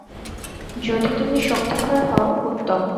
যদি তুমি শক্তিধর হও, উত্তম।